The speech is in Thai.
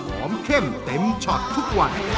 เข้มเต็มช็อตทุกวัน